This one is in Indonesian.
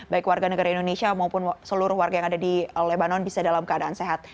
baik warga negara indonesia maupun seluruh warga yang ada di lebanon bisa dalam keadaan sehat